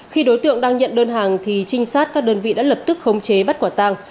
khi đối tượng đang nhận đơn hàng thì trinh sát các đơn vị đã lập tức khống chế bắt quả tàng